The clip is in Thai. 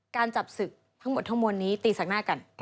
จับศึกทั้งหมดทั้งมวลนี้ตีแสกหน้ากัน